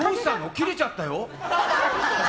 切れちゃったよ。